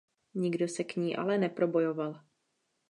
Nikdo se k ní ale neprobojoval.